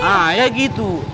ah ya gitu